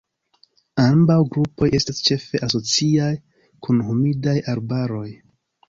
Ambaŭ grupoj estas ĉefe asociaj kun humidaj arbaroj.